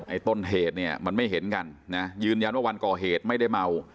ต้นเหตุเนี่ยมันไม่เห็นกันนะยืนยันว่าวันก่อเหตุไม่ได้เมา